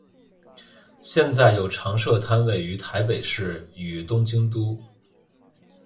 现在有常设摊位于台北市与东京都。